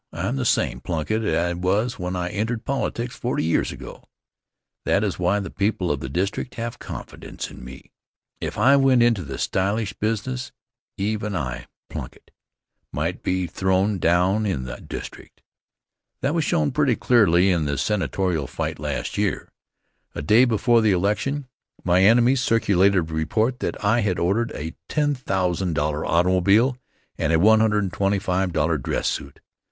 I'm the same Plunkitt I was when I entered politics forty years ago. That is why the people of the district have confidence in me. If I went into the stylish business, even I, Plunkitt, might be thrown down in the district. That was shown pretty clearly in the senatorial fight last year. A day before the election, my enemies circulated a report that I had ordered a $10,000 automobile and a $125 dress suit.